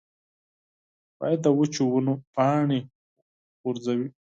باد د وچو ونو پاڼې غورځوي